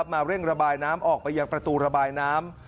เร่งระบายน้ำออกไปยังประตูระบายน้ำ